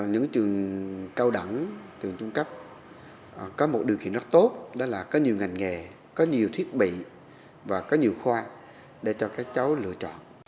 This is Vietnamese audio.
những trường cao đẳng trường trung cấp có một điều khiển rất tốt đó là có nhiều ngành nghề có nhiều thiết bị và có nhiều khoa để cho các cháu lựa chọn